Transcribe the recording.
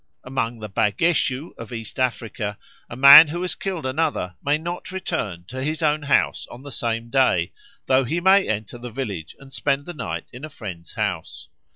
Among the Bageshu of East Africa a man who has killed another may not return to his own house on the same day, though he may enter the village and spend the night in a friend's house.